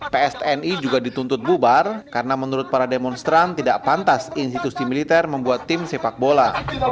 pstni juga dituntut bubar karena menurut para demonstran tidak pantas institusi militer membuat tim sepak bola